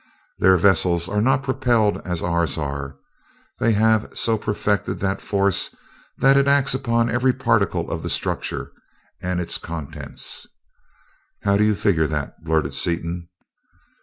Their vessels are not propelled as ours are they have so perfected that force that it acts upon every particle of the structure and its contents...." "How do you figure that?" blurted Seaton.